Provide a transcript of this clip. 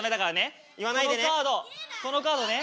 このカードね。